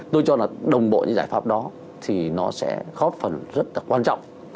tôi cho là đồng bộ những giải pháp đó thì nó sẽ góp phần rất là quan trọng